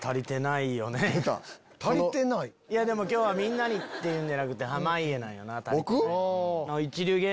今日はみんなにっていうんじゃなくて濱家なんよな。